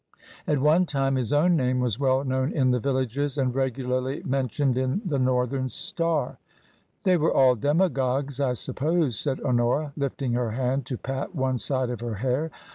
At one time his own name was well known in the villages, and regularly mentioned in the Northern Star'' " They were all demagogues, I suppose," said Honora. lifling her hand to pat one side of her hair.